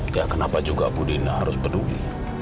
ya kenapa juga budinda harus peduli